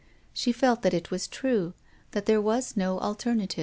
She felt that it was true, that there was no alternative.